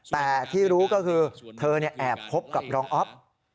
แต่ที่รู้ก็คือเธอแอบพบกับรองอ๊อฟ